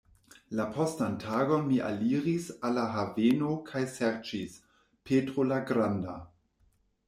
La postan tagon mi aliris al la haveno kaj serĉis "Petro la Granda".